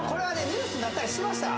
ニュースになったりしました